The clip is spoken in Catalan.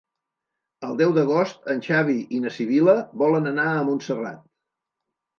El deu d'agost en Xavi i na Sibil·la volen anar a Montserrat.